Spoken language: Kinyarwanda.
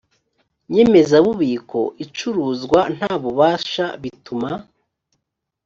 nyemezabubiko icuruzwa nta bubasha bituma